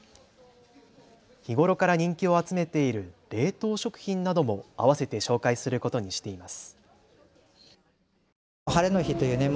日頃から人気を集めている冷凍食品なども合わせて紹介することにしています。